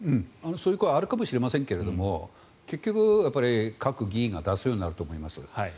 そういう声はあるかもしれませんが結局、各議員が出すようになると思います。